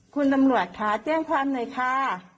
คุณตำรวจค่ะมาแจ้งความจ้า